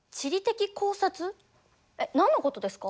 えっ何のことですか？